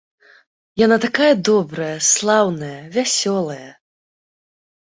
Яна такая добрая, слаўная, вясёлая!